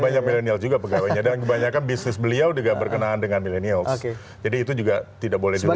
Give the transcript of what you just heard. dan banyak millenials juga pegawainya dan kebanyakan bisnis beliau juga berkenaan dengan millenials jadi itu juga tidak boleh dilupakan